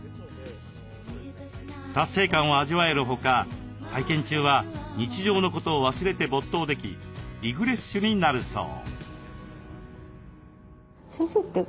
達成感を味わえるほか体験中は日常のことを忘れて没頭できリフレッシュになるそう。